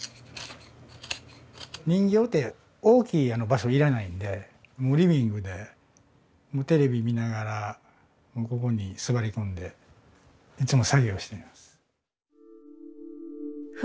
人形って大きい場所要らないんでもうリビングでテレビ見ながらここに座り込んでいつも作業しています。